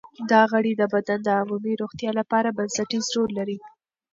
دا غړي د بدن د عمومي روغتیا لپاره بنسټیز رول لري.